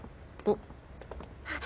あっ。